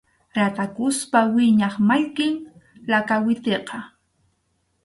Ratakuspa wiñaq mallkim lakawitiqa.